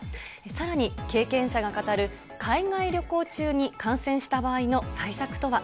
さらに経験者が語る、海外旅行中に感染した場合の対策とは。